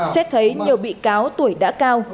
xét thấy nhiều bị cáo tuổi đã cao